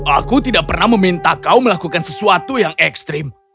aku tidak pernah meminta kau melakukan sesuatu yang ekstrim